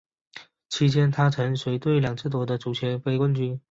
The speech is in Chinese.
期间她曾随队两次夺得足协杯冠军。